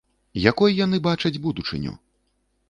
Якой яны бачаць будучыню?